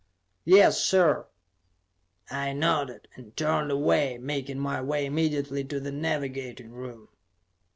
"Yes, sir!" I nodded, and turned away, making my way immediately to the navigating room.